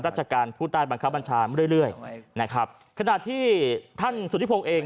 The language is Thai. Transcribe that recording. ราชการผู้ใต้บังคับบัญชามาเรื่อยเรื่อยนะครับขณะที่ท่านสุธิพงศ์เอง